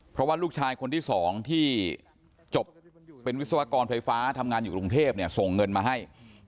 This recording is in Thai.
เพราะว่าลูกชายคนที่สองที่จบเป็นวิศวกรไฟฟ้าทำงานอยู่กรุงเทพเนี่ยส่งเงินมาให้